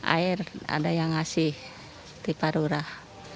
air ada yang ngasih di parurah